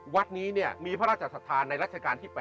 วัดนี้มีพระราชสัทธาในรัชกาลที่๘